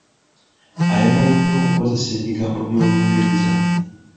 Ayagala nnyo okukozesa ebigambo by’Olungereza.